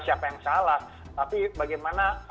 siapa yang salah tapi bagaimana